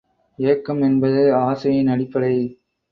ஏக்கம் என்பது ஆசையின் அடிப்படை.